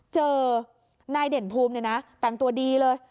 เจอนายเด่นภูมิเนี่ยนะแต่งตัวดีเลย